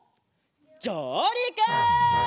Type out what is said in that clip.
じょうりく！